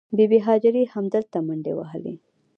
بې بي هاجرې همدلته منډې وهلې.